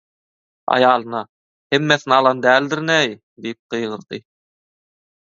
Aýalyna: - Hemmesini alan däldirin-eý – diýip gygyrdy.